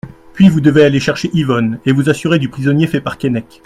Puis vous devez aller chercher Yvonne, et vous assurer du prisonnier fait par Keinec.